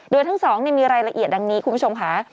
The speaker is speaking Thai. โดยทั้งสองมีรายละเอียดดังนี้คุณผู้ชมค่ะ